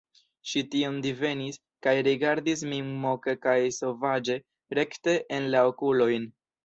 Ŝi tion divenis, kaj rigardis min moke kaj sovaĝe, rekte en la okulojn.